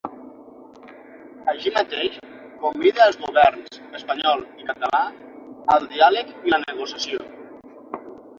Així mateix, convida els governs espanyol i català al diàleg i la negociació.